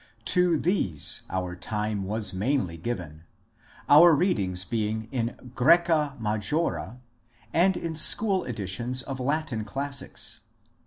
To these our time was mainly given, our readings being in ^^ GrsBca Majora," and in school editions of Latin classics.